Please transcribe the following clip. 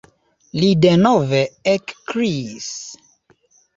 Li denove ekkriis.